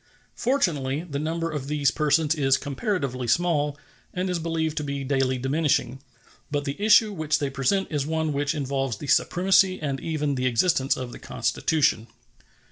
Fortunately, the number of these persons is comparatively small, and is believed to be daily diminishing; but the issue which they present is one which involves the supremacy and even the existence of the Constitution.